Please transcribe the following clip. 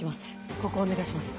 ここをお願いします。